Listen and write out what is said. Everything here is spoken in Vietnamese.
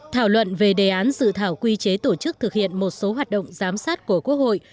thảo luận về đề án dự thảo quy chế tổ chức thực hiện một số hoạt động giám sát của quốc hội